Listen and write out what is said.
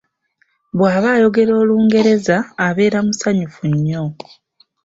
Bw’aba ayogera Olungereza abeera musanyufu nnyo.